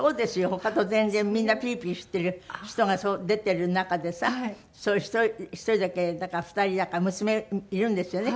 他と全然みんなピリピリしてる人が出てる中でさそういう１人だけだか２人だか娘いるんですよね？